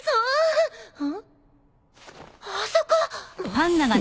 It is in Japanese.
ん？あそこ。